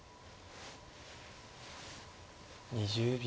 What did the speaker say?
２０秒。